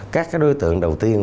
các cái đối tượng đầu tiên